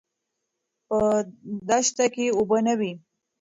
په دښته کې اوبه نه وې.